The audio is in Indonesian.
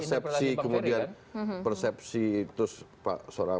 ya bisa jadi seperti itu tapi kan itu berhina pelajaran pak ferry kan